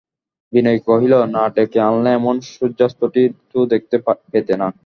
বিনয় কহিল, না ডেকে আনলে এমন সূর্যাস্তটি তো দেখতে পেতে না।